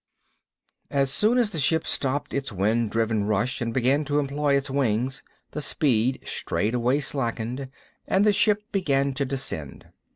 As soon as the ship stopped its wind driven rush and began to employ its wings, the speed straightway slackened; and the ships began to descend.